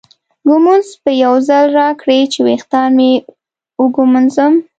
ږومنځ به یو ځل راکړې چې ویښتان مې وږمنځم.